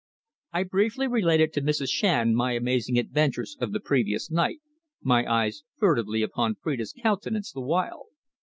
I briefly related to Mrs. Shand my amazing adventures of the previous night, my eyes furtively upon Phrida's countenance the while.